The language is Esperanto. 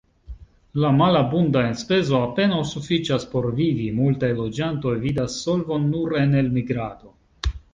La malabunda enspezo apenaŭ sufiĉas por vivi, multaj loĝantoj vidas solvon nur en elmigrado.